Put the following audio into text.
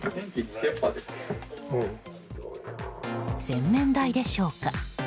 洗面台でしょうか。